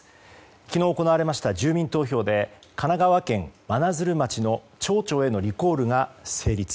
昨日行われました住民投票で神奈川県真鶴町の町長へのリコールが成立。